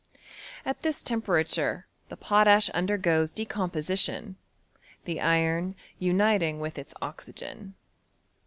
At this temperature the potash undergoes decom position, the iron uniting with its oxygen.